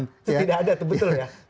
tidak ada itu betul ya